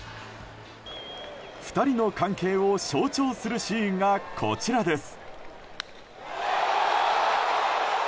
２人の関係を象徴するシーンがこちらです。